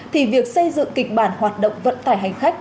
thì việc xây dựng kịch bản hoạt động vận tải hành khách